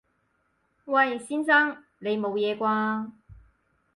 喂！先生！你冇嘢啩？